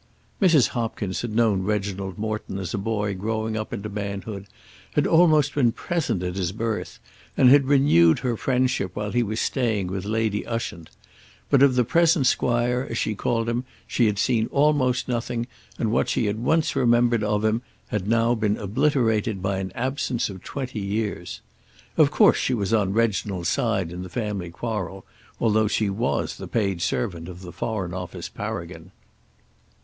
Mrs. Hopkins had known Reginald Morton as a boy growing up into manhood, had almost been present at his birth, and had renewed her friendship while he was staying with Lady Ushant; but of the present squire, as she called him, she had seen almost nothing, and what she had once remembered of him had now been obliterated by an absence of twenty years. Of course she was on Reginald's side in the family quarrel, although she was the paid servant of the Foreign Office paragon.